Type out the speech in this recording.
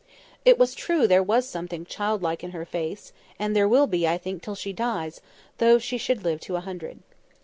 It was true there was something childlike in her face; and there will be, I think, till she dies, though she should live to a hundred.